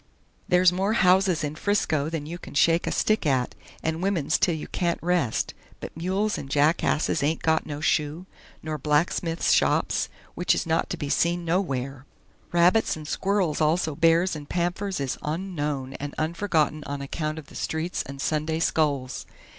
"Ther's more houses in 'Frisco than you kin shake a stick at and wimmens till you kant rest, but mules and jakasses ain't got no sho, nor blacksmiffs shops, wich is not to be seen no wear. Rapits and Skwirls also bares and panfers is on noun and unforgotten on account of the streets and Sunday skoles.